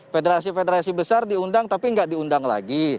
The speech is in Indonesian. federasi federasi besar diundang tapi nggak diundang lagi